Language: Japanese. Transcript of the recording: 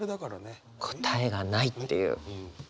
答えがないっていう。